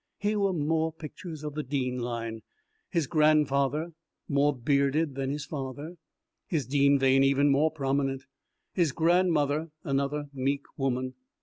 Here were more pictures of the Dean line his grandfather, more bearded than his father, his Dean vein even more prominent; his grandmother, another meek woman.